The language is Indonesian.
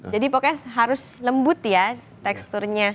jadi pokoknya harus lembut ya teksturnya